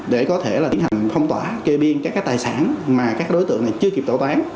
để có thể là tiến hành phong tỏa kê biên các cái tài sản mà các đối tượng này chưa kịp tổ bán